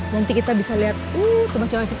nanti kita bisa lihat tuh macam macam